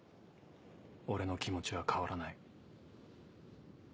俺の気持ちは変わらない。